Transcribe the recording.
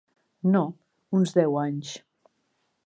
No, uns deu anys.